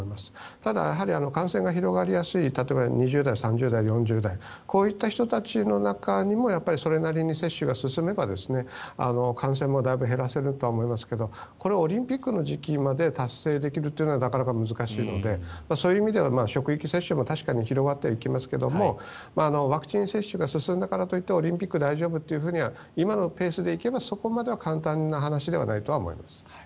ただ、感染が広がりやすい例えば２０代、３０代、４０代こういった人たちの中にもそれなりに接種が進めば感染もだいぶ減らせるとは思いますけどこれはオリンピックの時期までに達成できるというのはなかなか難しいのでそういう意味では職域接種も確かに広がってはいきますけどもワクチン接種が進んだからといってオリンピック大丈夫というふうには今のペースで行けばそこまで簡単な話ではないと思います。